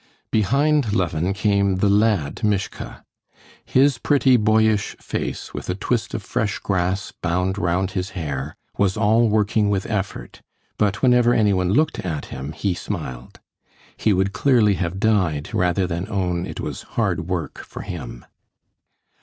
Behind Levin came the lad Mishka. His pretty, boyish face, with a twist of fresh grass bound round his hair, was all working with effort; but whenever anyone looked at him he smiled. He would clearly have died sooner than own it was hard work for him.